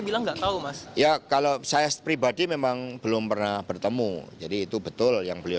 bilang enggak tahu mas ya kalau saya pribadi memang belum pernah bertemu jadi itu betul yang beliau